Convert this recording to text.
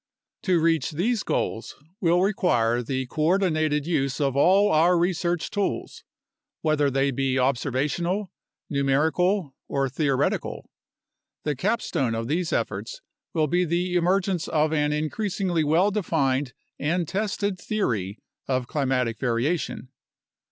To reach these goals will require the coordinated use of all our research tools, whether they be observational, numerical, or theoretical. The capstone of these efforts will be the emergence of an increasingly well defined and tested theory of climatic variation.